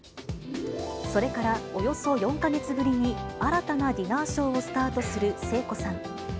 それからおよそ４か月ぶりに、新たなディナーショーをスタートする聖子さん。